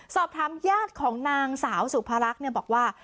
สอบถามญาติของนางสาวสุภารักษ์บอกว่า